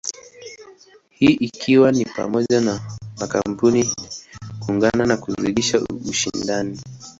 Hii ikiwa ni pamoja na makampuni kuungana na kuzidisha ushindani.